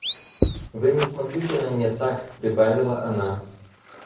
Вы не смотрите на меня так, — прибавила она.